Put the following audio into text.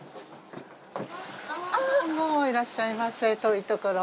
どうもいらっしゃいませ遠いところ。